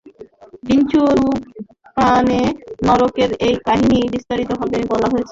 বিষ্ণু পুরাণে নরকের এই কাহিনী বিস্তারিত ভাবে বলা হয়েছে।